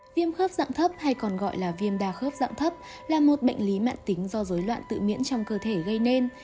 viêm khớp dạng thấp hay còn gọi là viêm đa khớp dạng thấp là một bệnh lý mạng tính do dối loạn tự miễn trong cơ thể gây nên